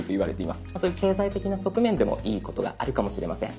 まあそういう経済的な側面でもいいことがあるかもしれません。